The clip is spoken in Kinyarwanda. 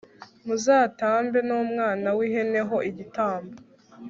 muzatambe n umwana w ihene ho igitambo